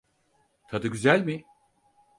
Tadı güzel mi?